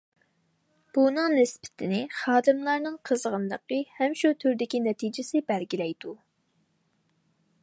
بۇنىڭ نىسبىتىنى خادىملارنىڭ قىزغىنلىقى ھەم شۇ تۈردىكى نەتىجىسى بەلگىلەيدۇ.